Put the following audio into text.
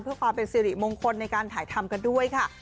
เพื่อความเป็นสิริมงคลในการถ่ายทำกันด้วยค่ะ